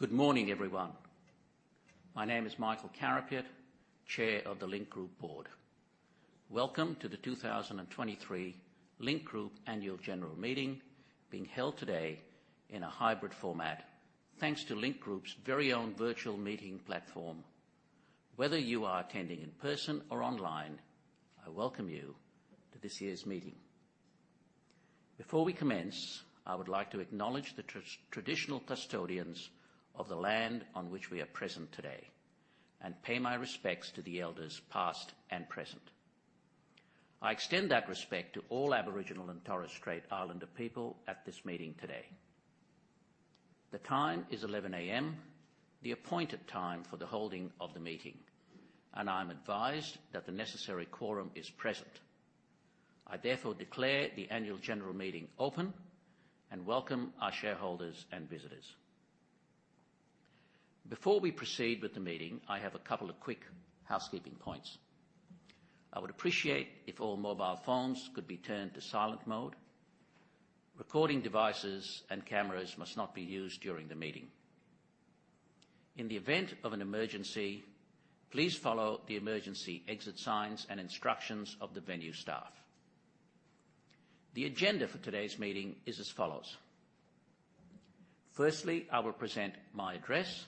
Good morning, everyone. My name is Michael Carapiet, Chair of the Link Group Board. Welcome to the 2023 Link Group Annual General Meeting, being held today in a hybrid format, thanks to Link Group's very own virtual meeting platform. Whether you are attending in person or online, I welcome you to this year's meeting. Before we commence, I would like to acknowledge the traditional custodians of the land on which we are present today, and pay my respects to the elders, past and present. I extend that respect to all Aboriginal and Torres Strait Islander people at this meeting today. The time is 11 A.M., the appointed time for the holding of the meeting, and I'm advised that the necessary quorum is present. I therefore declare the annual general meeting open and welcome our shareholders and visitors. Before we proceed with the meeting, I have a couple of quick housekeeping points. I would appreciate if all mobile phones could be turned to silent mode. Recording devices and cameras must not be used during the meeting. In the event of an emergency, please follow the emergency exit signs and instructions of the venue staff. The agenda for today's meeting is as follows: firstly, I will present my address.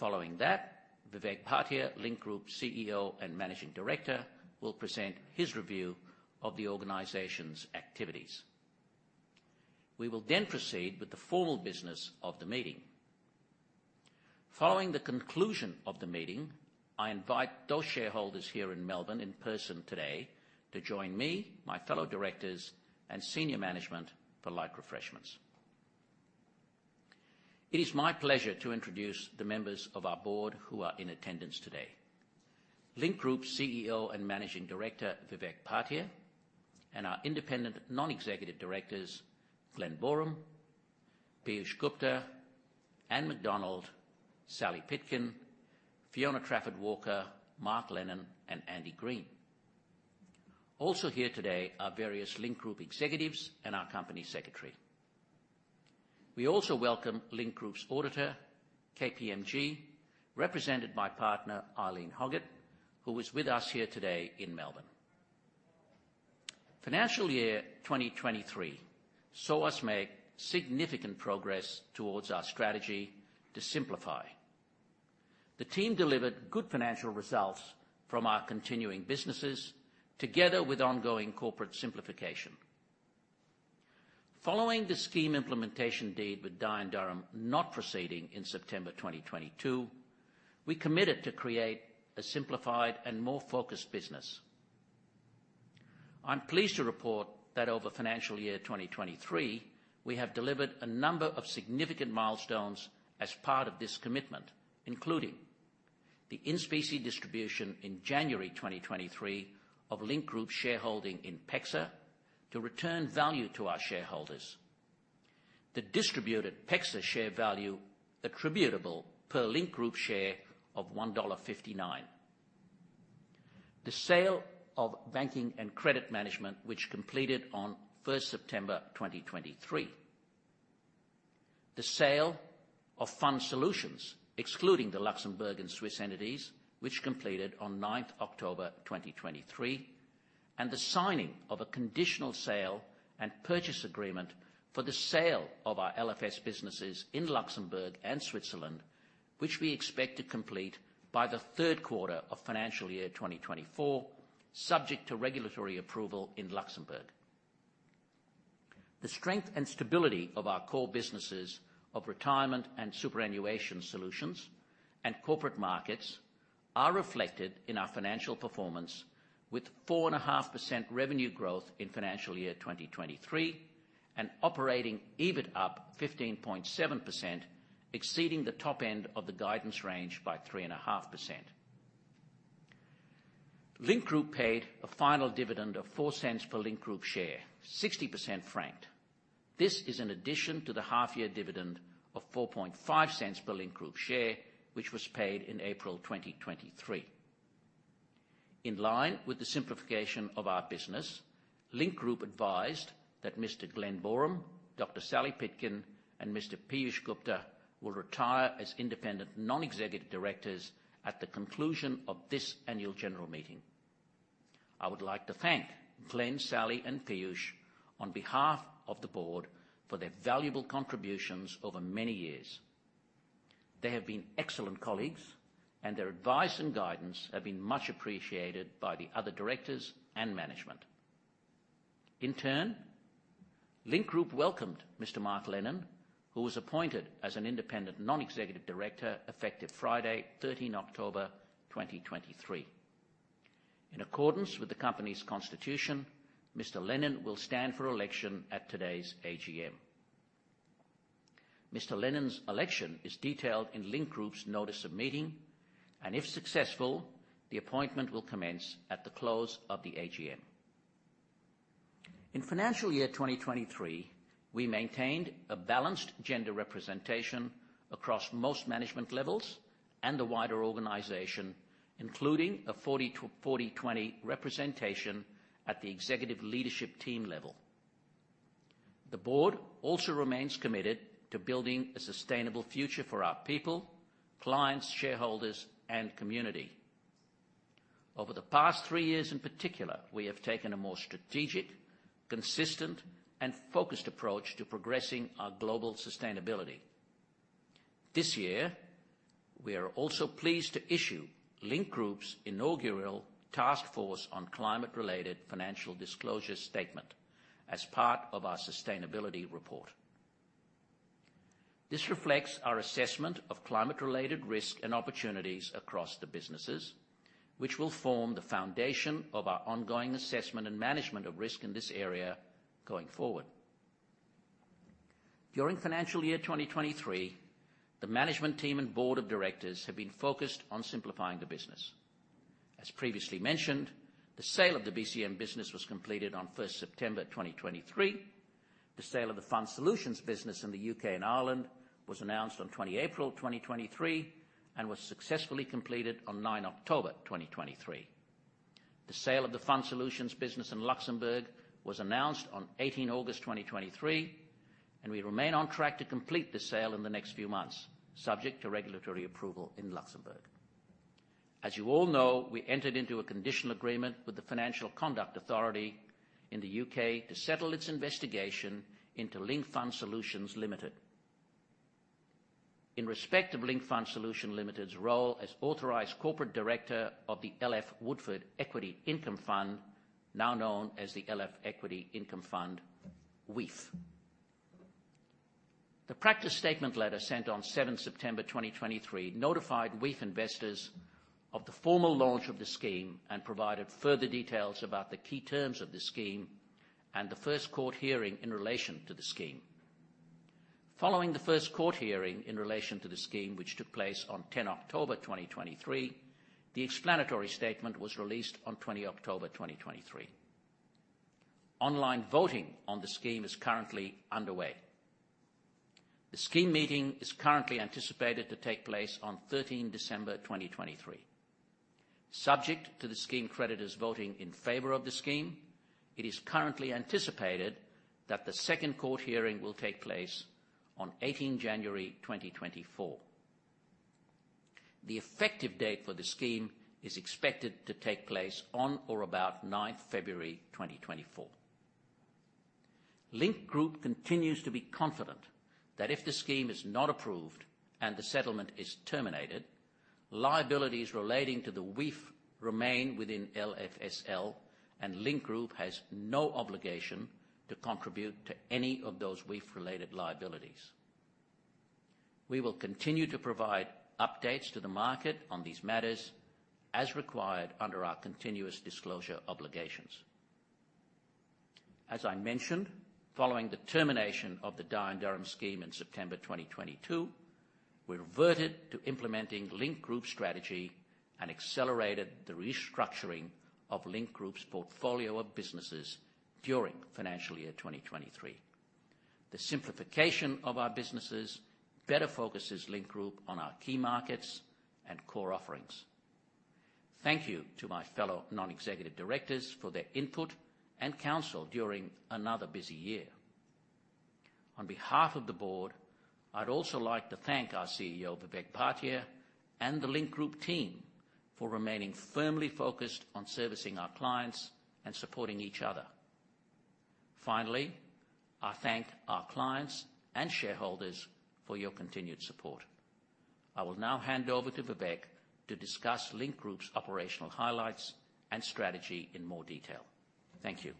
Following that, Vivek Bhatia, Link Group CEO and Managing Director, will present his review of the organization's activities. We will then proceed with the formal business of the meeting. Following the conclusion of the meeting, I invite those shareholders here in Melbourne in person today to join me, my fellow directors, and senior management for light refreshments. It is my pleasure to introduce the members of our board who are in attendance today. Link Group CEO and Managing Director, Vivek Bhatia, and our independent non-executive directors, Glen Boreham, Peeyush Gupta, Anne McDonald, Sally Pitkin, Fiona Trafford-Walker, Mark Lennon, and Andy Green. Also here today are various Link Group executives and our company secretary. We also welcome Link Group's auditor, KPMG, represented by Partner Eileen Hoggett, who is with us here today in Melbourne. Financial year 2023 saw us make significant progress towards our strategy to simplify. The team delivered good financial results from our continuing businesses, together with ongoing corporate simplification. Following the scheme implementation deed with Dye & Durham not proceeding in September 2022, we committed to create a simplified and more focused business. I'm pleased to report that over financial year 2023, we have delivered a number of significant milestones as part of this commitment, including the in-specie distribution in January 2023 of Link Group's shareholding in PEXA to return value to our shareholders. The distributed PEXA share value attributable per Link Group share of 1.59 dollar. The sale of Banking and Credit Management, which completed on 1 September 2023. The sale of Fund Solutions, excluding the Luxembourg and Swiss entities, which completed on 9 October 2023, and the signing of a conditional sale and purchase agreement for the sale of our LFS businesses in Luxembourg and Switzerland, which we expect to complete by the Q3 of financial year 2024, subject to regulatory approval in Luxembourg. The strength and stability of our core businesses of Retirement and Superannuation Solutions and Corporate Markets are reflected in our financial performance, with 4.5% revenue growth in financial year 2023, and operating EBIT up 15.7%, exceeding the top end of the guidance range by 3.5%. Link Group paid a final dividend of 0.04 per Link Group share, 60% franked. This is in addition to the half-year dividend of 0.045 per Link Group share, which was paid in April 2023. In line with the simplification of our business, Link Group advised that Mr. Glen Boreham, Dr. Sally Pitkin, and Mr. Peeyush Gupta will retire as independent non-executive directors at the conclusion of this annual general meeting. I would like to thank Glen, Sally, and Peeyush on behalf of the board for their valuable contributions over many years. They have been excellent colleagues, and their advice and guidance have been much appreciated by the other directors and management. In turn, Link Group welcomed Mr. Mark Lennon, who was appointed as an independent non-executive director effective Friday, 13 October 2023. In accordance with the company's constitution, Mr. Lennon will stand for election at today's AGM. Mr. Lennon's election is detailed in Link Group's notice of meeting, and if successful, the appointment will commence at the close of the AGM. In financial year 2023, we maintained a balanced gender representation across most management levels and the wider organization, including a 40%-40%-20% representation at the executive leadership team level. The board also remains committed to building a sustainable future for our people, clients, shareholders, and community. Over the past three years in particular, we have taken a more strategic, consistent, and focused approach to progressing our global sustainability. This year, we are also pleased to issue Link Group's inaugural Task Force on Climate-related Financial Disclosure Statement as part of our sustainability report. This reflects our assessment of climate-related risk and opportunities across the businesses, which will form the foundation of our ongoing assessment and management of risk in this area going forward. During financial year 2023, the management team and board of directors have been focused on simplifying the business. As previously mentioned, the sale of the BCM business was completed on 1st September 2023. The sale of the Fund Solutions business in the U.K. and Ireland was announced on 20 April 2023, and was successfully completed on 9 October 2023. The sale of the Fund Solutions business in Luxembourg was announced on 18 August 2023, and we remain on track to complete the sale in the next few months, subject to regulatory approval in Luxembourg. As you all know, we entered into a conditional agreement with the Financial Conduct Authority in the U.K. to settle its investigation into Link Fund Solutions Limited. In respect of Link Fund Solutions Limited's role as authorized corporate director of the LF Woodford Equity Income Fund, now known as the LF Equity Income Fund, WEIF. The practice statement letter sent on 7 September 2023 notified WEIF investors of the formal launch of the scheme and provided further details about the key terms of the scheme and the first court hearing in relation to the scheme. Following the first court hearing in relation to the scheme, which took place on 10 October 2023, the explanatory statement was released on 20 October 2023. Online voting on the scheme is currently underway. The scheme meeting is currently anticipated to take place on 13 December 2023. Subject to the scheme creditors voting in favor of the scheme, it is currently anticipated that the second court hearing will take place on 18 January 2024. The effective date for the scheme is expected to take place on or about 9 February 2024. Link Group continues to be confident that if the scheme is not approved and the settlement is terminated, liabilities relating to the WEIF remain within LFSL, and Link Group has no obligation to contribute to any of those WEIF-related liabilities. We will continue to provide updates to the market on these matters as required under our continuous disclosure obligations. As I mentioned, following the termination of the Dye & Durham scheme in September 2022, we reverted to implementing Link Group strategy and accelerated the restructuring of Link Group's portfolio of businesses during financial year 2023. The simplification of our businesses better focuses Link Group on our key markets and core offerings. Thank you to my fellow non-executive directors for their input and counsel during another busy year. On behalf of the board, I'd also like to thank our CEO, Vivek Bhatia, and the Link Group team for remaining firmly focused on servicing our clients and supporting each other. Finally, I thank our clients and shareholders for your continued support. I will now hand over to Vivek to discuss Link Group's operational highlights and strategy in more detail. Thank you.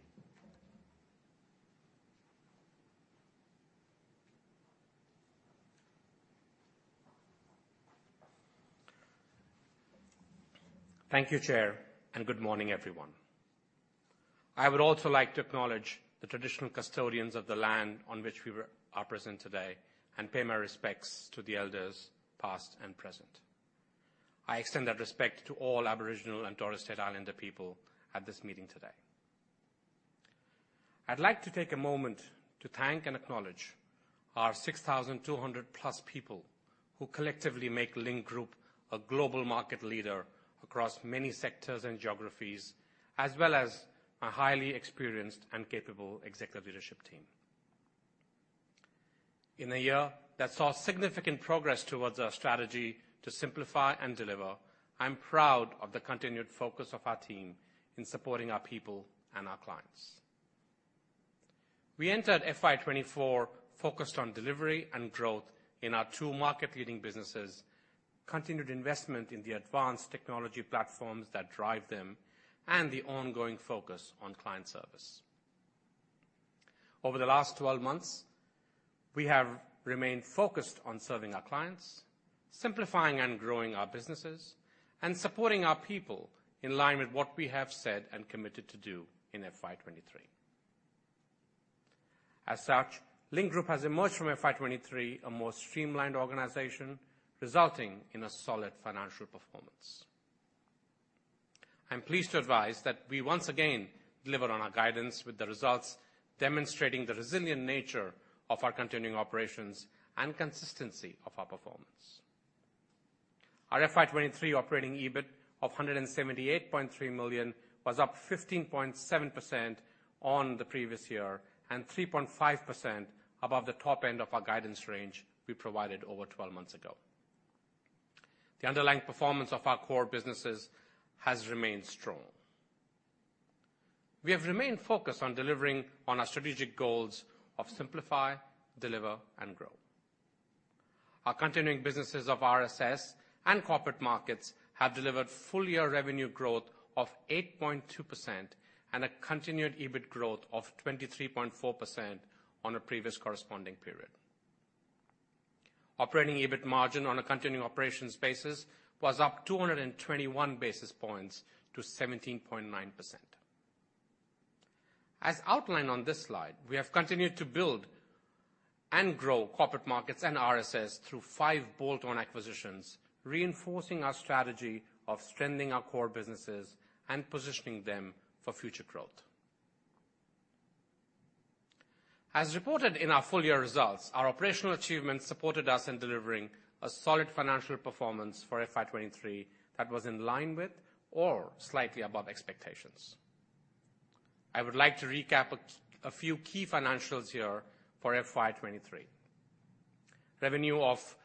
Thank you, Chair, and good morning, everyone. I would also like to acknowledge the traditional custodians of the land on which we are present today and pay my respects to the elders, past and present. I extend that respect to all Aboriginal and Torres Strait Islander people at this meeting today. I'd like to take a moment to thank and acknowledge our 6,200+ people, who collectively make Link Group a global market leader across many sectors and geographies, as well as a highly experienced and capable executive leadership team. In a year that saw significant progress towards our strategy to simplify and deliver, I'm proud of the continued focus of our team in supporting our people and our clients. We entered FY 2024 focused on delivery and growth in our two market-leading businesses, continued investment in the advanced technology platforms that drive them, and the ongoing focus on client service. Over the last 12 months, we have remained focused on serving our clients, simplifying and growing our businesses, and supporting our people in line with what we have said and committed to do in FY 2023. As such, Link Group has emerged from FY 2023 a more streamlined organization, resulting in a solid financial performance. I'm pleased to advise that we once again delivered on our guidance, with the results demonstrating the resilient nature of our continuing operations and consistency of our performance. Our FY 2023 operating EBIT of 178.3 million was up 15.7% on the previous year, and 3.5% above the top end of our guidance range we provided over 12 months ago. The underlying performance of our core businesses has remained strong. We have remained focused on delivering on our strategic goals of simplify, deliver, and grow. Our continuing businesses of RSS and Corporate Markets have delivered full-year revenue growth of 8.2%, and a continued EBIT growth of 23.4% on a previous corresponding period. Operating EBIT margin on a continuing operations basis was up 221 basis points to 17.9%. As outlined on this slide, we have continued to build and grow Corporate Markets and RSS through 5 bolt-on acquisitions, reinforcing our strategy of strengthening our core businesses and positioning them for future growth. As reported in our full year results, our operational achievements supported us in delivering a solid financial performance for FY 2023 that was in line with or slightly above expectations. I would like to recap a few key financials here for FY 2023. Revenue of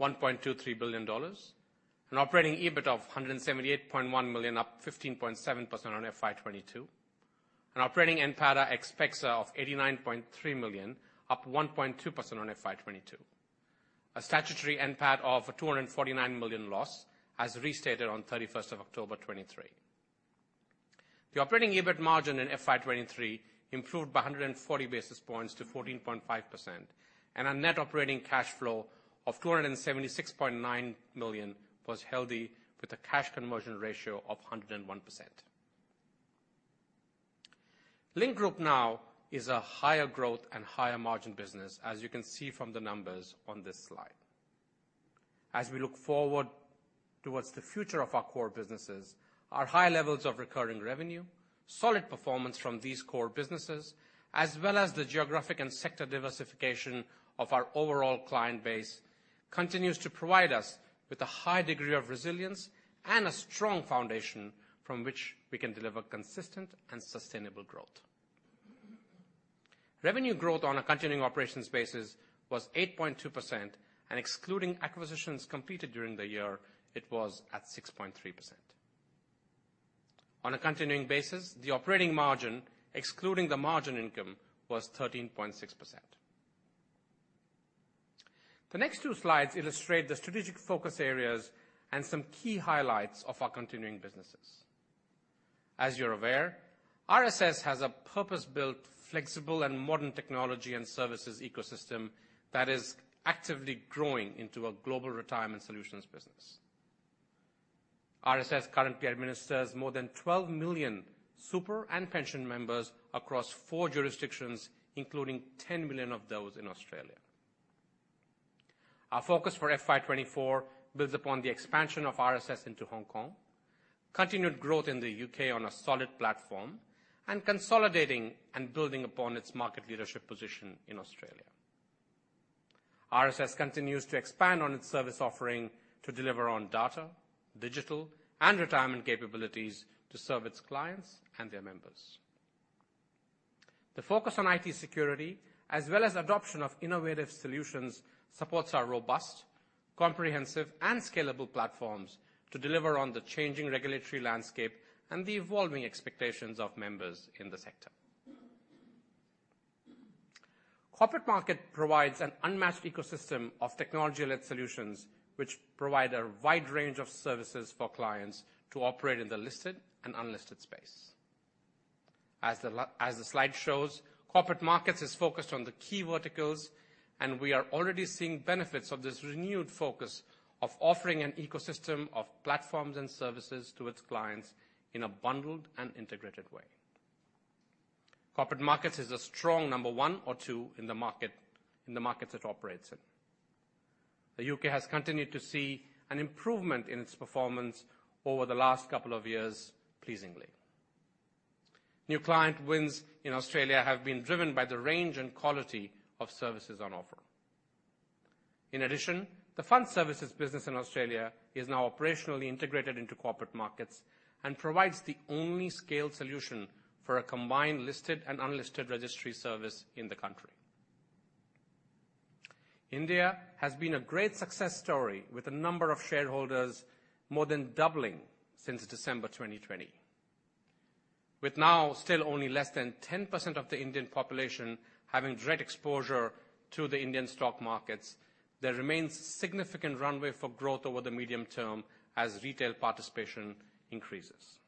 1.23 billion dollars, an operating EBIT of 178.1 million, up 15.7% on FY 2022. An operating NPATA of 89.3 million, up 1.2% on FY 2022. A statutory NPAT of 249 million loss, as restated on 31st of October 2023. The operating EBIT margin in FY 2023 improved by 140 basis points to 14.5%, and a net operating cash flow of 276.9 million was healthy, with a cash conversion ratio of 101%. Link Group now is a higher growth and higher margin business, as you can see from the numbers on this slide. As we look forward towards the future of our core businesses, our high levels of recurring revenue, solid performance from these core businesses, as well as the geographic and sector diversification of our overall client base, continues to provide us with a high degree of resilience and a strong foundation from which we can deliver consistent and sustainable growth. Revenue growth on a continuing operations basis was 8.2%, and excluding acquisitions completed during the year, it was at 6.3%. On a continuing basis, the operating margin, excluding the margin income, was 13.6%. The next two slides illustrate the strategic focus areas and some key highlights of our continuing businesses. As you're aware, RSS has a purpose-built, flexible and modern technology and services ecosystem that is actively growing into a global retirement solutions business. RSS currently administers more than 12 million super and pension members across four jurisdictions, including 10 million of those in Australia. Our focus for FY 2024 builds upon the expansion of RSS into Hong Kong, continued growth in the U.K. on a solid platform, and consolidating and building upon its market leadership position in Australia. RSS continues to expand on its service offering to deliver on data, digital, and retirement capabilities to serve its clients and their members. The focus on IT security, as well as adoption of innovative solutions, supports our robust, comprehensive, and scalable platforms to deliver on the changing regulatory landscape and the evolving expectations of members in the sector. Corporate Markets provides an unmatched ecosystem of technology-led solutions, which provide a wide range of services for clients to operate in the listed and unlisted space. As the slide shows, Corporate Markets is focused on the key verticals, and we are already seeing benefits of this renewed focus of offering an ecosystem of platforms and services to its clients in a bundled and integrated way. Corporate Markets is a strong number one or two in the market, in the markets it operates in. The U.K. has continued to see an improvement in its performance over the last couple of years, pleasingly. New client wins in Australia have been driven by the range and quality of services on offer. In addition, the fund services business in Australia is now operationally integrated into Corporate Markets and provides the only scaled solution for a combined listed and unlisted registry service in the country. India has been a great success story, with the number of shareholders more than doubling since December 2020. With now still only less than 10% of the Indian population having direct exposure to the Indian stock markets, there remains significant runway for growth over the medium term as retail participation increases.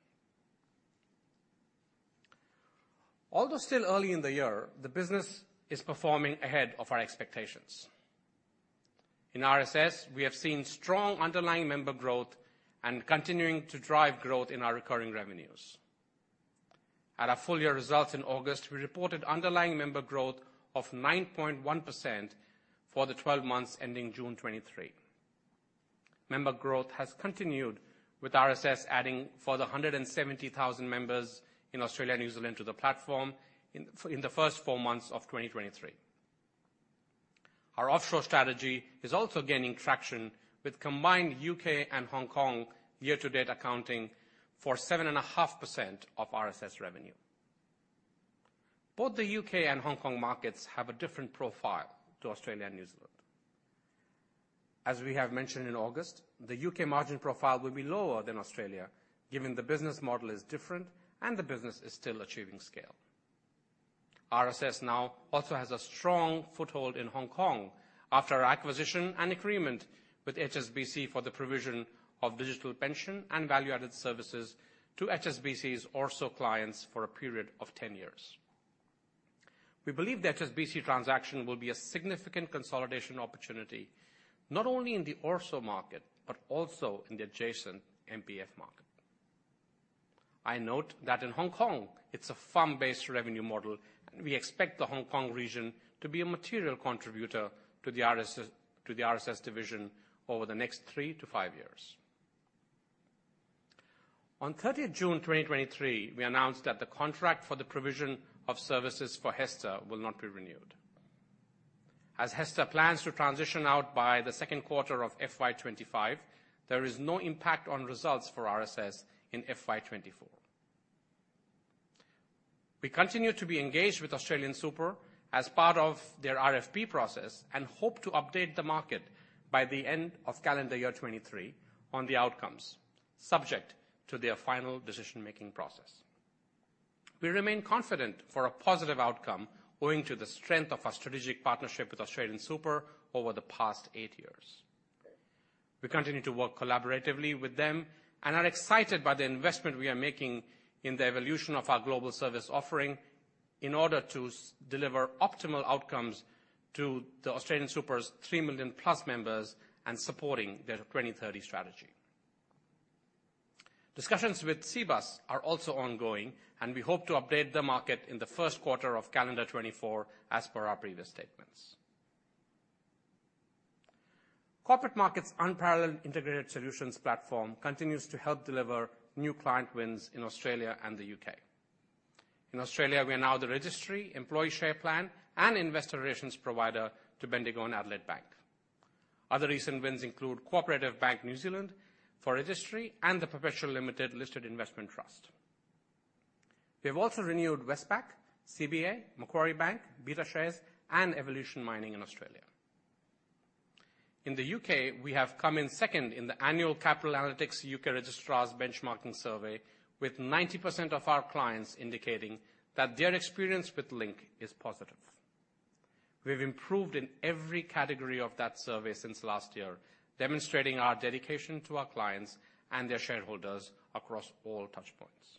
Although still early in the year, the business is performing ahead of our expectations. In RSS, we have seen strong underlying member growth and continuing to drive growth in our recurring revenues. At our full year results in August, we reported underlying member growth of 9.1% for the 12 months ending June 2023. Member growth has continued, with RSS adding further 170,000 members in Australia and New Zealand to the platform in the first four months of 2023. Our offshore strategy is also gaining traction, with combined U.K. and Hong Kong year-to-date accounting for 7.5% of RSS revenue. Both the U.K. and Hong Kong markets have a different profile to Australia and New Zealand. As we have mentioned in August, the U.K. margin profile will be lower than Australia, given the business model is different and the business is still achieving scale. RSS now also has a strong foothold in Hong Kong after our acquisition and agreement with HSBC for the provision of digital pension and value-added services to HSBC's ORSO clients for a period of 10 years. We believe the HSBC transaction will be a significant consolidation opportunity, not only in the ORSO market, but also in the adjacent MPF market. I note that in Hong Kong, it's a firm-based revenue model, and we expect the Hong Kong region to be a material contributor to the RSS, to the RSS division over the next three to five years. On 30th June 2023, we announced that the contract for the provision of services for HESTA will not be renewed. As HESTA plans to transition out by the Q2 of FY 2025, there is no impact on results for RSS in FY 2024. We continue to be engaged with AustralianSuper as part of their RFP process and hope to update the market by the end of calendar year 2023 on the outcomes, subject to their final decision-making process. We remain confident for a positive outcome, owing to the strength of our strategic partnership with AustralianSuper over the past eight years. We continue to work collaboratively with them and are excited by the investment we are making in the evolution of our global service offering in order to deliver optimal outcomes to the AustralianSuper's 3+ million members and supporting their 2030 strategy. Discussions with Cbus are also ongoing, and we hope to update the market in the Q1 of calendar 2024, as per our previous statements. Corporate Markets' unparalleled integrated solutions platform continues to help deliver new client wins in Australia and the U.K. In Australia, we are now the registry, employee share plan, and investor relations provider to Bendigo and Adelaide Bank. Other recent wins include Co-operative Bank New Zealand for registry and the Perpetual Limited Listed Investment Trust. We have also renewed Westpac, CBA, Macquarie Bank, BetaShares, and Evolution Mining in Australia. In the U.K., we have come in second in the annual Capital Analytics U.K. Registrars Benchmarking Survey, with 90% of our clients indicating that their experience with Link is positive. We've improved in every category of that survey since last year, demonstrating our dedication to our clients and their shareholders across all touchpoints.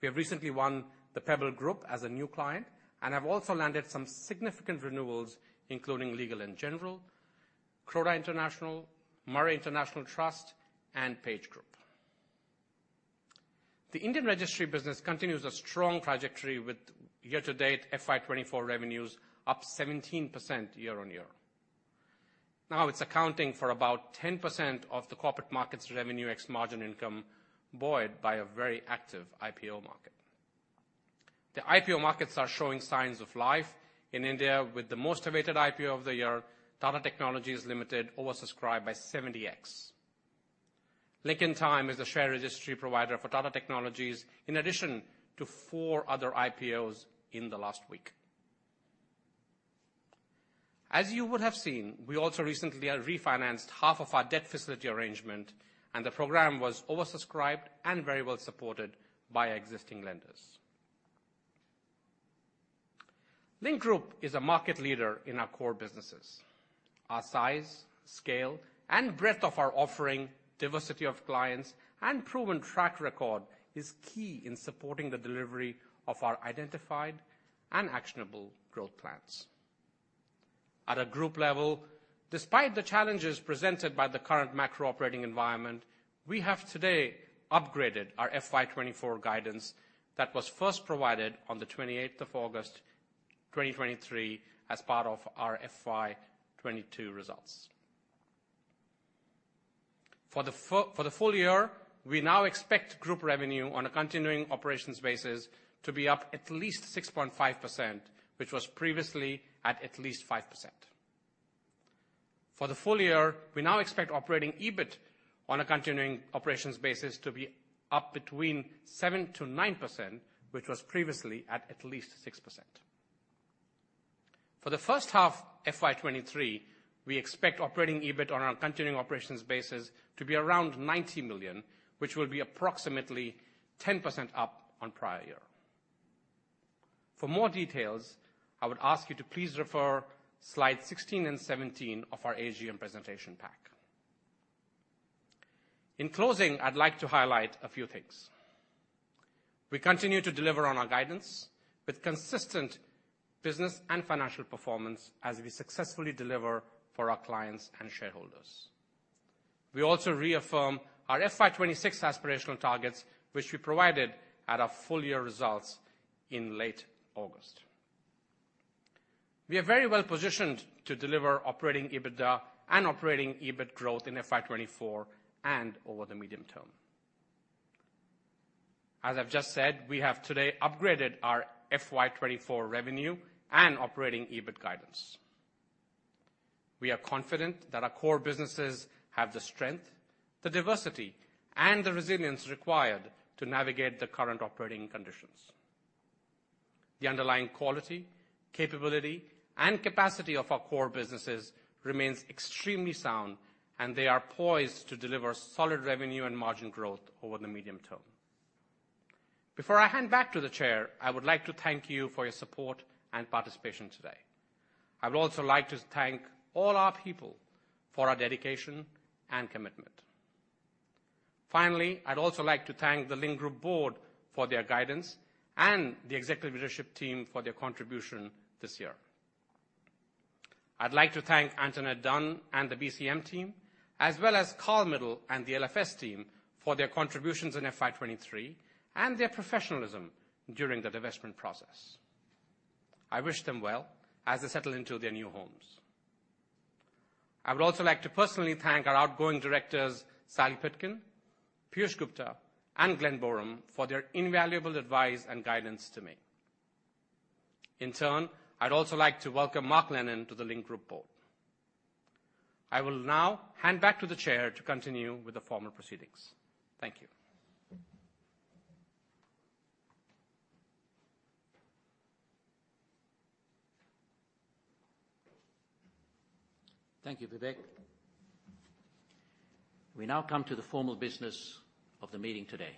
We have recently won the Pebble Group as a new client and have also landed some significant renewals, including Legal & General, Croda International, Murray International Trust, and PageGroup. The Indian registry business continues a strong trajectory with year-to-date FY 2024 revenues up 17% year-on-year. Now it's accounting for about 10% of the corporate markets revenue ex margin income, buoyed by a very active IPO market. The IPO markets are showing signs of life in India, with the most awaited IPO of the year, Tata Technologies Limited, oversubscribed by 70x. Link Intime is the share registry provider for Tata Technologies, in addition to four other IPOs in the last week. As you would have seen, we also recently refinanced half of our debt facility arrangement, and the program was oversubscribed and very well supported by existing lenders. Link Group is a market leader in our core businesses. Our size, scale, and breadth of our offering, diversity of clients, and proven track record is key in supporting the delivery of our identified and actionable growth plans. At a group level, despite the challenges presented by the current macro operating environment, we have today upgraded our FY 2024 guidance that was first provided on the 28th of August, 2023, as part of our FY 2022 results. For the full year, we now expect group revenue on a continuing operations basis to be up at least 6.5%, which was previously at least 5%. For the full year, we now expect operating EBIT on a continuing operations basis to be up between 7% to 9%, which was previously at least 6%. For the H1, FY 2023, we expect operating EBIT on our continuing operations basis to be around 90 million, which will be approximately 10% up on prior year. For more details, I would ask you to please refer slides 16 and 17 of our AGM presentation pack. In closing, I'd like to highlight a few things. We continue to deliver on our guidance with consistent business and financial performance as we successfully deliver for our clients and shareholders. We also reaffirm our FY 2026 aspirational targets, which we provided at our full year results in late August. We are very well positioned to deliver operating EBITDA and operating EBIT growth in FY 2024 and over the medium term. As I've just said, we have today upgraded our FY 2024 revenue and operating EBIT guidance. We are confident that our core businesses have the strength, the diversity, and the resilience required to navigate the current operating conditions. The underlying quality, capability, and capacity of our core businesses remains extremely sound, and they are poised to deliver solid revenue and margin growth over the medium term. Before I hand back to the Chair, I would like to thank you for your support and participation today. I would also like to thank all our people for our dedication and commitment. Finally, I'd also like to thank the Link Group board for their guidance and the executive leadership team for their contribution this year. I'd like to thank Antoinette Dunne and the BCM team, as well as Karl Midl and the LFS team for their contributions in FY23 and their professionalism during the divestment process. I wish them well as they settle into their new homes. I would also like to personally thank our outgoing directors, Sally Pitkin, Peeyush Gupta, and Glen Boreham, for their invaluable advice and guidance to me. In turn, I'd also like to welcome Mark Lennon to the Link Group board. I will now hand back to the Chair to continue with the formal proceedings. Thank you. Thank you, Vivek. We now come to the formal business of the meeting today.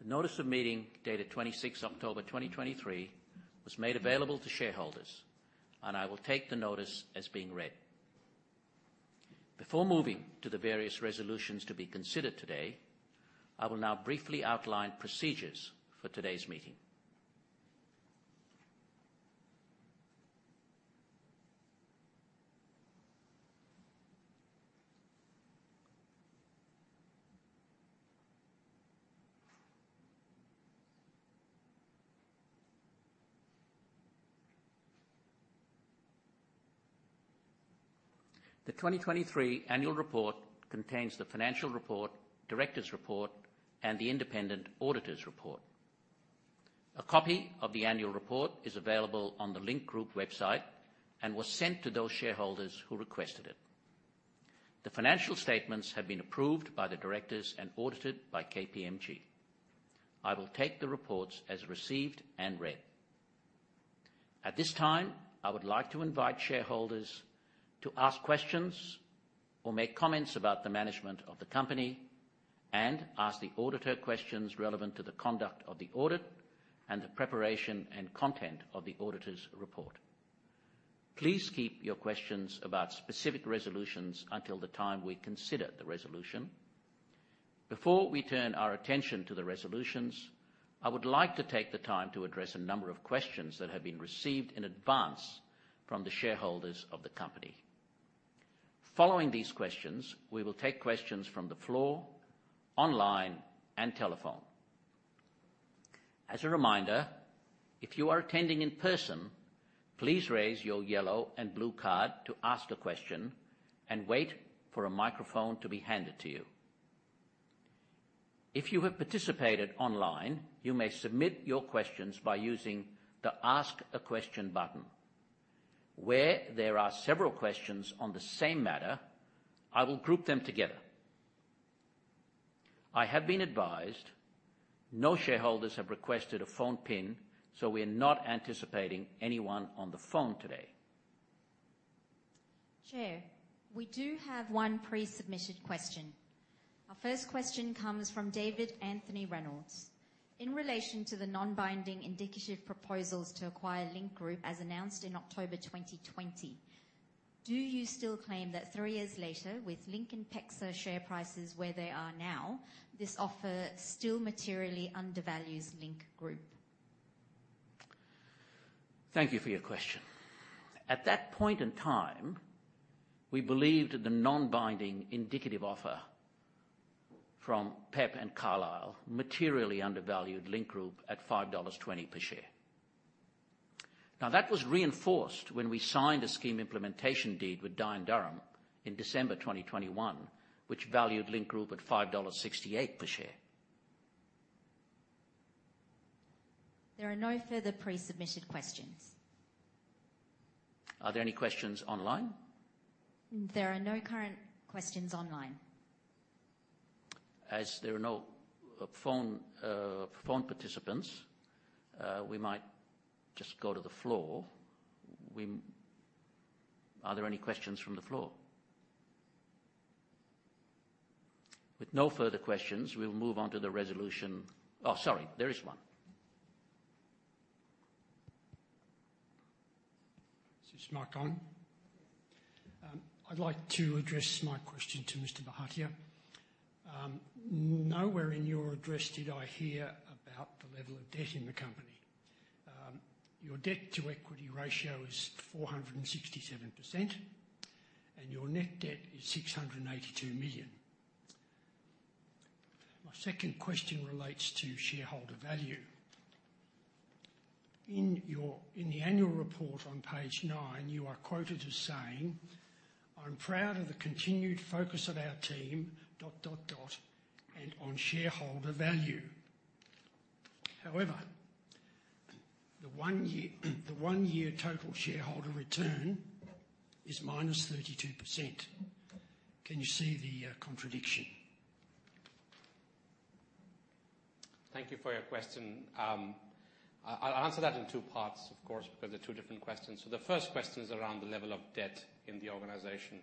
The notice of meeting, dated 26th October 2023, was made available to shareholders, and I will take the notice as being read. Before moving to the various resolutions to be considered today, I will now briefly outline procedures for today's meeting. The 2023 Annual Report contains the financial report, directors' report, and the independent auditor's report. A copy of the Annual Report is available on the Link Group website and was sent to those shareholders who requested it. The financial statements have been approved by the directors and audited by KPMG. I will take the reports as received and read. At this time, I would like to invite shareholders to ask questions or make comments about the management of the company and ask the auditor questions relevant to the conduct of the audit and the preparation and content of the auditor's report. Please keep your questions about specific resolutions until the time we consider the resolution. Before we turn our attention to the resolutions, I would like to take the time to address a number of questions that have been received in advance from the shareholders of the company. Following these questions, we will take questions from the floor, online, and telephone. As a reminder, if you are attending in person, please raise your yellow and blue card to ask a question and wait for a microphone to be handed to you. If you have participated online, you may submit your questions by using the Ask a Question button. Where there are several questions on the same matter, I will group them together. I have been advised no shareholders have requested a phone PIN, so we are not anticipating anyone on the phone today. Chair, we do have one pre-submitted question. Our first question comes from David Anthony Reynolds: In relation to the non-binding indicative proposals to acquire Link Group as announced in October 2020, do you still claim that three years later, with Link and PEXA share prices where they are now, this offer still materially undervalues Link Group? Thank you for your question. At that point in time, we believed the non-binding indicative offer from PEP and Carlyle materially undervalued Link Group at 5.20 dollars per share. Now, that was reinforced when we signed a scheme implementation deed with Dye & Durham in December 2021, which valued Link Group at 5.68 dollars per share. There are no further pre-submitted questions. Are there any questions online? There are no current questions online. As there are no phone participants, we might just go to the floor. Are there any questions from the floor? With no further questions, we'll move on to the resolution. Sorry, there is one. Is this mic on? I'd like to address my question to Mr. Bhatia. Nowhere in your address did I hear about the level of debt in the company. Your debt-to-equity ratio is 467%, and your net debt is 682 million. My second question relates to shareholder value. In your, in the annual report on page 9, you are quoted as saying, "I'm proud of the continued focus of our team and on shareholder value." However, the one year, the one-year total shareholder return is -32%. Can you see the, contradiction? Thank you for your question. I'll answer that in two parts, of course, because they're two different questions. So the first question is around the level of debt in the organization.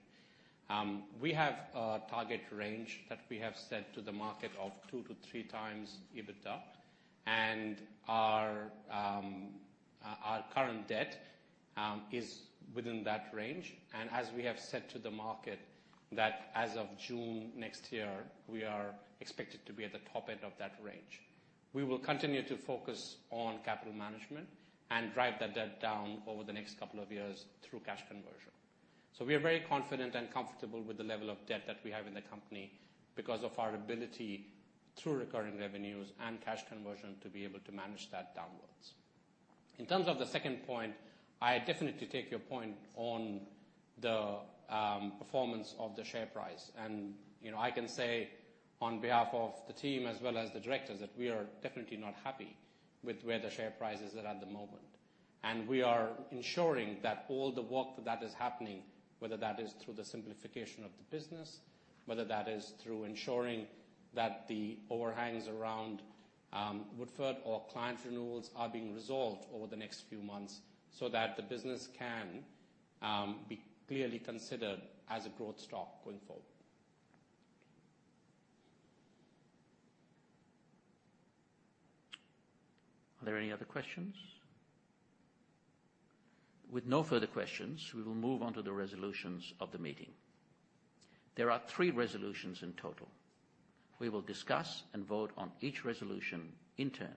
We have a target range that we have set to the market of 2 to 3x EBITDA, and our current debt is within that range. And as we have said to the market, that as of June next year, we are expected to be at the top end of that range. We will continue to focus on capital management and drive that debt down over the next couple of years through cash conversion. So we are very confident and comfortable with the level of debt that we have in the company, because of our ability through recurring revenues and cash conversion, to be able to manage that downwards. In terms of the second point, I definitely take your point on the performance of the share price. You know, I can say on behalf of the team as well as the directors, that we are definitely not happy with where the share price is at the moment. We are ensuring that all the work that is happening, whether that is through the simplification of the business, whether that is through ensuring that the overhangs around Woodford or client renewals, are being resolved over the next few months so that the business can be clearly considered as a growth stock going forward. Are there any other questions? With no further questions, we will move on to the resolutions of the meeting. There are three resolutions in total. We will discuss and vote on each resolution in turn.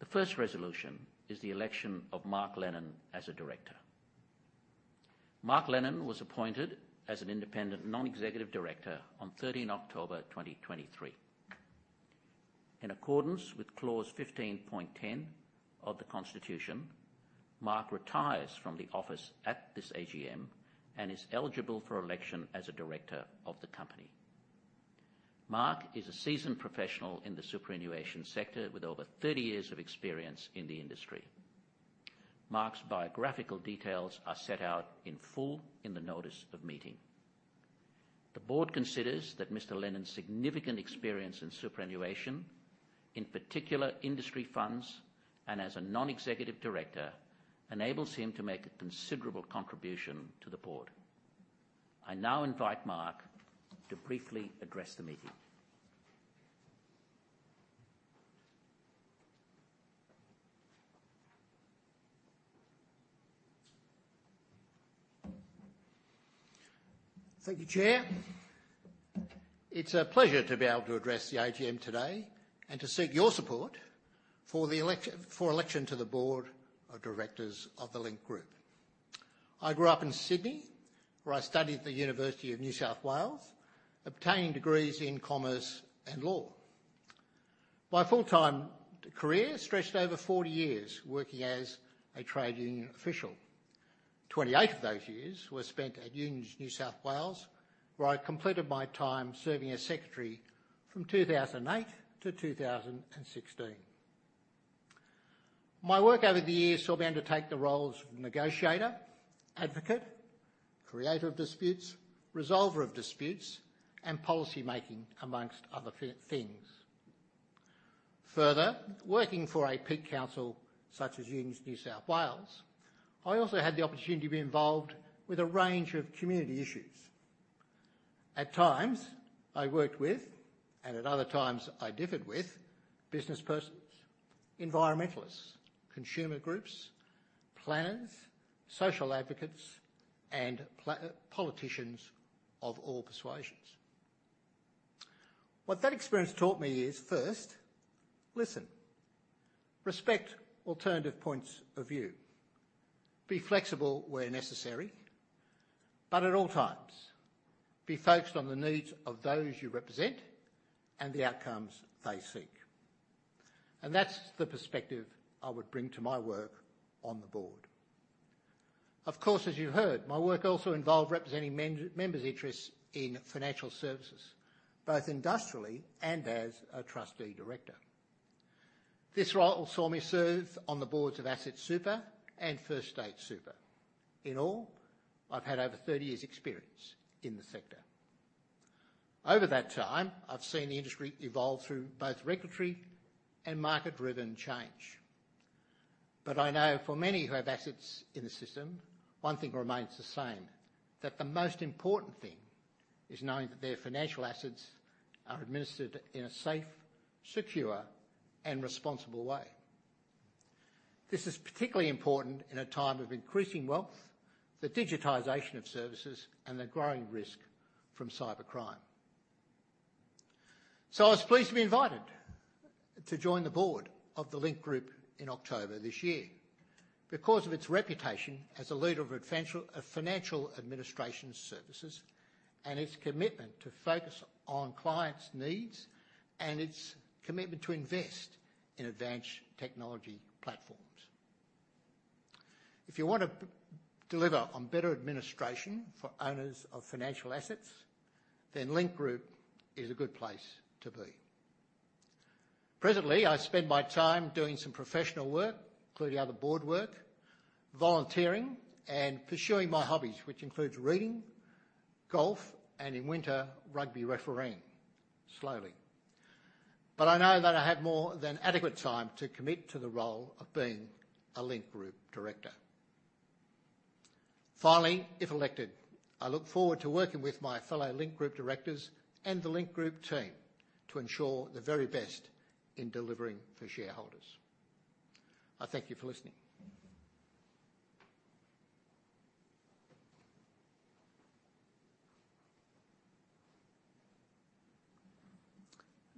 The first resolution is the election of Mark Lennon as a director. Mark Lennon was appointed as an independent non-executive director on 13 October 2023. In accordance with clause 15.10 of the Constitution, Mark retires from the office at this AGM, and is eligible for election as a director of the company. Mark is a seasoned professional in the superannuation sector, with over 30 years of experience in the industry. Mark's biographical details are set out in full in the notice of meeting. The board considers that Mr. Lennon's significant experience in superannuation, in particular, industry funds and as a non-executive director, enables him to make a considerable contribution to the board. I now invite Mark to briefly address the meeting. Thank you, Chair. It's a pleasure to be able to address the AGM today and to seek your support for the election to the board of directors of the Link Group. I grew up in Sydney, where I studied at the University of New South Wales, obtaining degrees in commerce and law. My full-time career stretched over 40 years, working as a trade union official. 28 of those years were spent at Unions New South Wales, where I completed my time serving as secretary from 2008 to 2016. My work over the years saw me undertake the roles: negotiator, advocate, creator of disputes, resolver of disputes, and policymaking, among other things. Further, working for a peak council such as Unions New South Wales, I also had the opportunity to be involved with a range of community issues. At times, I worked with, and at other times I differed with, business persons, environmentalists, consumer groups, planners, social advocates, and politicians of all persuasions. What that experience taught me is, first, listen, respect alternative points of view, be flexible where necessary, but at all times, be focused on the needs of those you represent and the outcomes they seek. And that's the perspective I would bring to my work on the board. Of course, as you heard, my work also involved representing members' interests in financial services, both industrially and as a trustee director. This role saw me serve on the boards of Asset Super and First State Super. In all, I've had over 30 years' experience in the sector. Over that time, I've seen the industry evolve through both regulatory and market-driven change. But I know for many who have assets in the system, one thing remains the same, that the most important thing is knowing that their financial assets are administered in a safe, secure, and responsible way. This is particularly important in a time of increasing wealth, the digitization of services, and the growing risk from cybercrime. So I was pleased to be invited to join the board of the Link Group in October this year because of its reputation as a leader of advanced financial administration services, and its commitment to focus on clients' needs, and its commitment to invest in advanced technology platforms. If you want to deliver on better administration for owners of financial assets, then Link Group is a good place to be. Presently, I spend my time doing some professional work, including other board work, volunteering, and pursuing my hobbies, which includes reading, golf, and in winter, rugby refereeing, slowly. But I know that I have more than adequate time to commit to the role of being a Link Group director. Finally, if elected, I look forward to working with my fellow Link Group directors and the Link Group team to ensure the very best in delivering for shareholders. I thank you for listening.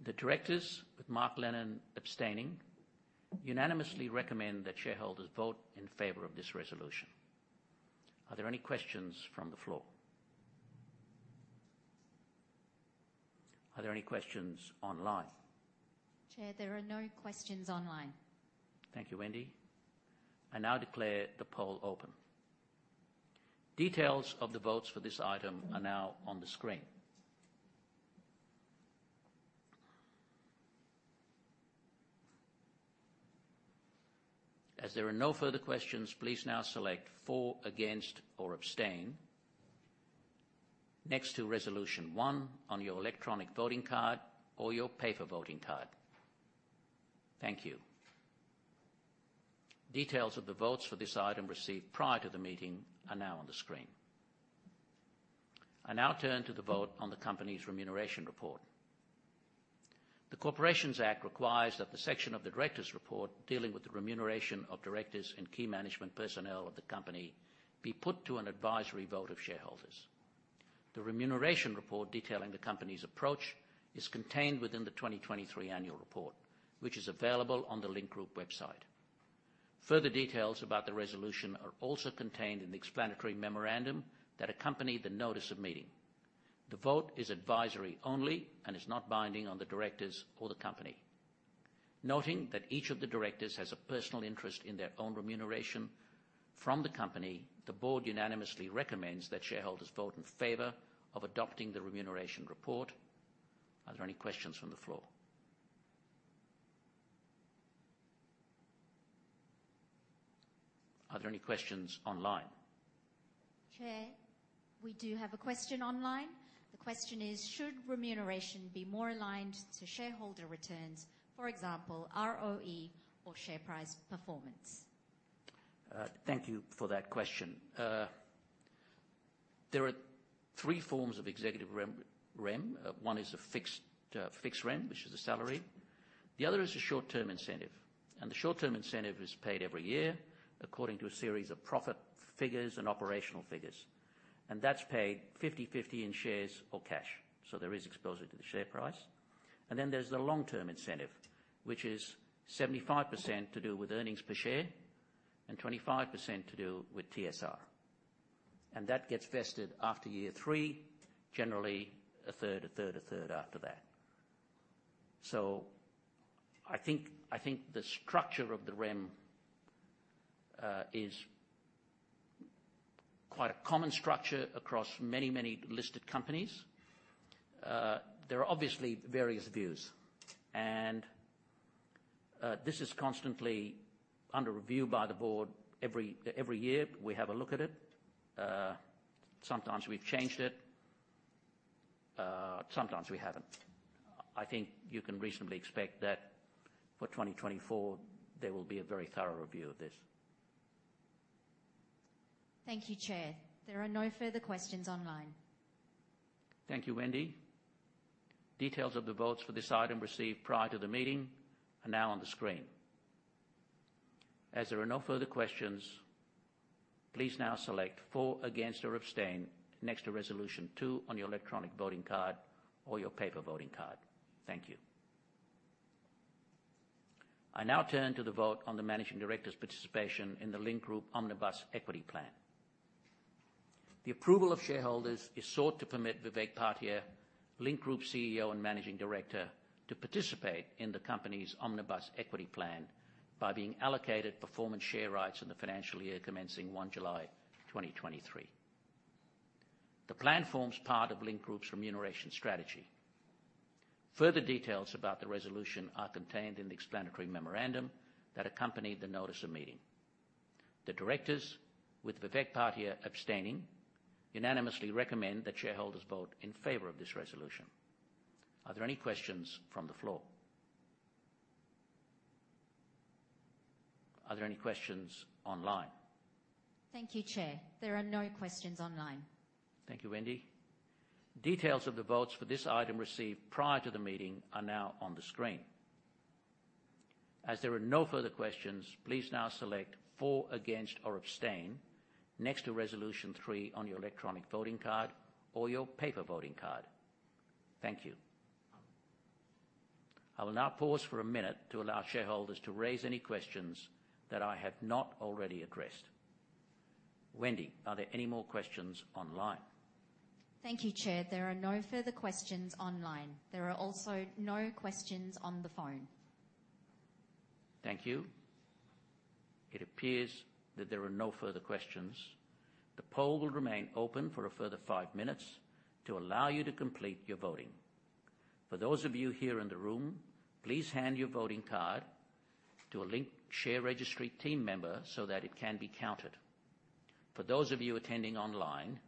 The directors, with Mark Lennon abstaining, unanimously recommend that shareholders vote in favor of this resolution. Are there any questions from the floor? Are there any questions online? Chair, there are no questions online. Thank you, Wendy. I now declare the poll open. Details of the votes for this item are now on the screen. As there are no further questions, please now select For, Against, or Abstain next to Resolution 1 on your electronic voting card or your paper voting card. Thank you. Details of the votes for this item received prior to the meeting are now on the screen. I now turn to the vote on the company's remuneration report. The Corporations Act requires that the section of the directors' report dealing with the remuneration of directors and key management personnel of the company be put to an advisory vote of shareholders. The remuneration report detailing the company's approach is contained within the 2023 annual report, which is available on the Link Group website. Further details about the resolution are also contained in the explanatory memorandum that accompanied the notice of meeting. The vote is advisory only and is not binding on the directors or the company. Noting that each of the directors has a personal interest in their own remuneration from the company, the board unanimously recommends that shareholders vote in favor of adopting the remuneration report. Are there any questions from the floor? Are there any questions online? Chair, we do have a question online. The question is: Should remuneration be more aligned to shareholder returns, for example, ROE or share price performance? Thank you for that question. There are three forms of executive remuneration. One is a fixed remuneration, which is a salary. The other is a short-term incentive, and the short-term incentive is paid every year according to a series of profit figures and operational figures, and that's paid 50/50 in shares or cash, so there is exposure to the share price. And then there's the long-term incentive, which is 75% to do with earnings per share and 25% to do with TSR, and that gets vested after year three, generally a third, a third, a third after that. So I think, I think the structure of the remuneration is quite a common structure across many listed companies. There are obviously various views, and this is constantly under review by the board. Every year, we have a look at it. Sometimes we've changed it, sometimes we haven't. I think you can reasonably expect that for 2024, there will be a very thorough review of this. Thank you, Chair. There are no further questions online. Thank you, Wendy. Details of the votes for this item received prior to the meeting are now on the screen. As there are no further questions, please now select For, Against, or Abstain next to Resolution 2 on your electronic voting card or your paper voting card. Thank you. I now turn to the vote on the Managing Director's participation in the Link Group Omnibus Equity Plan. The approval of shareholders is sought to permit Vivek Bhatia, Link Group CEO and Managing Director, to participate in the company's Omnibus Equity Plan by being allocated performance share rights in the financial year commencing 1 July 2023. The plan forms part of Link Group's remuneration strategy. Further details about the resolution are contained in the explanatory memorandum that accompanied the notice of meeting. The directors, with Vivek Bhatia abstaining, unanimously recommend that shareholders vote in favor of this resolution. Are there any questions from the floor? Are there any questions online? Thank you, Chair. There are no questions online. Thank you, Wendy. Details of the votes for this item received prior to the meeting are now on the screen. As there are no further questions, please now select For, Against, or Abstain next to Resolution 3 on your electronic voting card or your paper voting card. Thank you. I will now pause for a minute to allow shareholders to raise any questions that I have not already addressed. Wendy, are there any more questions online? Thank you, Chair. There are no further questions online. There are also no questions on the phone. Thank you. It appears that there are no further questions. The poll will remain open for a further five minutes to allow you to complete your voting. For those of you here in the room, please hand your voting card to a Link Share Registry team member so that it can be counted. For those of you attending online,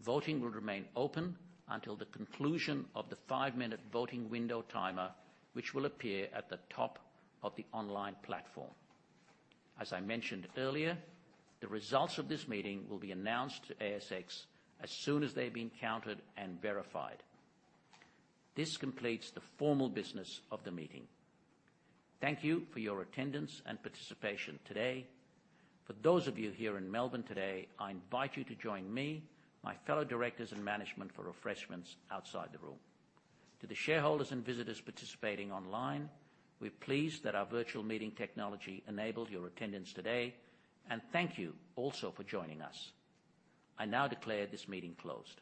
voting will remain open until the conclusion of the five-minute voting window timer, which will appear at the top of the online platform. As I mentioned earlier, the results of this meeting will be announced to ASX as soon as they've been counted and verified. This completes the formal business of the meeting. Thank you for your attendance and participation today. For those of you here in Melbourne today, I invite you to join me, my fellow directors and management, for refreshments outside the room. To the shareholders and visitors participating online, we're pleased that our virtual meeting technology enabled your attendance today, and thank you also for joining us. I now declare this meeting closed.